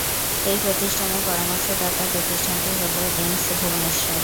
এই প্রতিষ্ঠানের পরামর্শদাতা প্রতিষ্ঠানটি হল এইমস ভুবনেশ্বর।